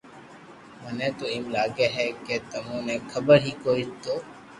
مني تو ايمم لاگي ھي ڪي تمو ني خبر ھي ڪوئي نو